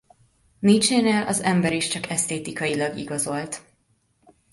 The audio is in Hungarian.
Nietzschénél az ember is csak esztétikailag igazolt.